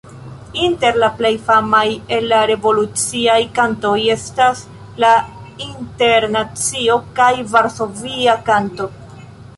Inter la plej famaj el la revoluciaj kantoj estas La Internacio kaj Varsovia Kanto.